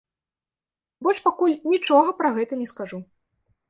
Больш пакуль нічога пра гэта не скажу.